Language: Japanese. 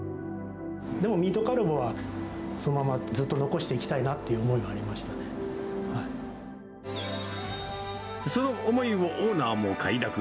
でも、ミートカルボはそのままずっと残していきたいなという思いがありその思いをオーナーも快諾。